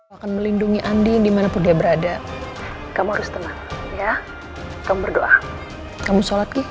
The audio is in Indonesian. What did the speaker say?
akan melindungi andi dimanapun dia berada kamu harus tenang ya kamu berdoa kamu sholat di